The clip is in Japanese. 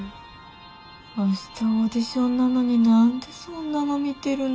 明日オーディションなのに何でそんなの見てるの。